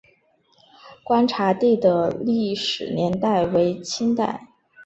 观察第的历史年代为清代。